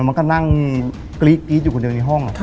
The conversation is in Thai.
มันก็นั่งกรี๊ดอยู่คนเดียวในห้อง